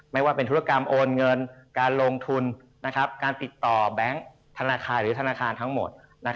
ไม่ว่าเป็นธุรกรรมโอนเงินการลงทุนการติดต่อแบงค์ธนาคารหรือธนาคารทั้งหมด